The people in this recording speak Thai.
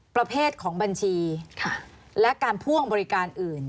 ประเภทของบัญชีและการพ่วงบริการอื่น